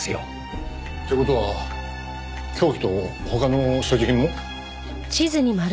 って事は凶器と他の所持品も？